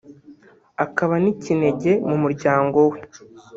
akaba n’ikinege mu muryango we